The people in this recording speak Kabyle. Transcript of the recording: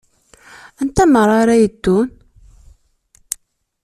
Anta meṛṛa ara yeddun?